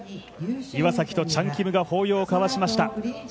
岩崎とチャン・キムが抱擁を交わしました。